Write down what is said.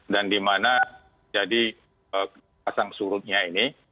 dan di mana jadi pasang surutnya ini